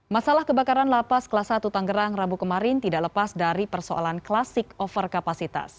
masalah kebakaran lapas kelas satu tanggerang rabu kemarin tidak lepas dari persoalan klasik overkapasitas